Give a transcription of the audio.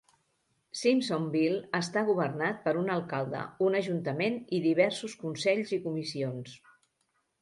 Simpsonville està governat per un alcalde, un ajuntament i diversos consells i comissions.